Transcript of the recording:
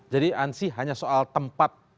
jadi ansih hanya soal tempat